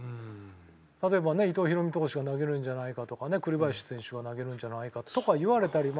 例えばね伊藤大投手が投げるんじゃないかとかね栗林選手が投げるんじゃないかとかいわれたりまあ